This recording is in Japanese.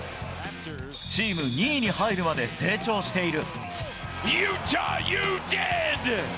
チーム２位に入るまで成長している。